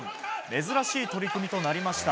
珍しい取組となりました。